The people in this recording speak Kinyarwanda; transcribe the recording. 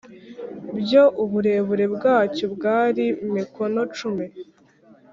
Byo uburebure bwacyo bwari mikono cumi